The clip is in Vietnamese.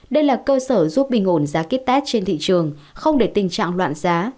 đây là cơ sở giúp bình ổn giá kit test trên thị trường không để tình trạng loạn giá